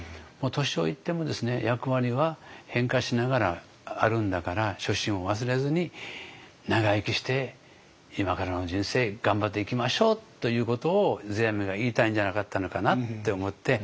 年老いても役割は変化しながらあるんだから初心を忘れずに長生きして今からの人生頑張っていきましょうということを世阿弥が言いたいんじゃなかったのかなって思って。